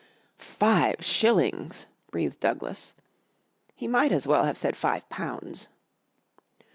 "Five shillings!" breathed Douglas. He might as well have said five pounds.